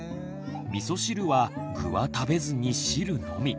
みそ汁は具は食べずに汁のみ。